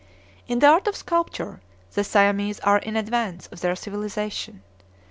In the art of sculpture the Siamese are in advance of their civilization.